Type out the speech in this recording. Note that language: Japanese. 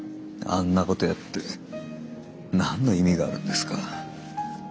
あんなことやって何の意味があるんですか？